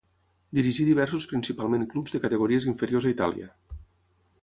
Dirigí diversos principalment clubs de categories inferiors a Itàlia.